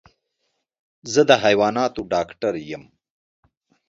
زه د حيواناتو ډاکټر يم.